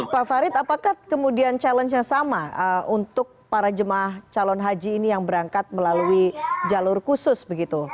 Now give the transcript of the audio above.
pak farid apakah kemudian challenge nya sama untuk para jemaah calon haji ini yang berangkat melalui jalur khusus begitu